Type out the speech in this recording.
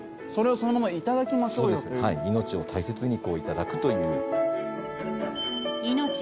命を大切にいただくという。